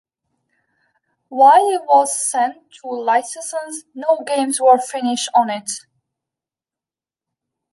While it was sent to licensees, no games were finished on it.